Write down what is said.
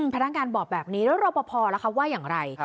พนักงานบอกแบบนี้แล้วรอปภล่ะคะว่าอย่างไร